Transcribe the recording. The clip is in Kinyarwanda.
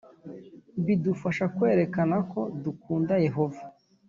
Bidufasha kwerekana ko dukunda Yehova